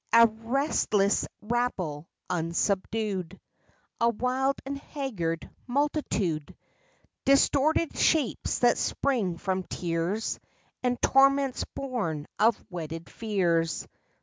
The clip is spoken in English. A restless rabble, unsubdued ; A wild and haggard multitude ; Distorted shapes that spring from tears, And torments born of wedded fears.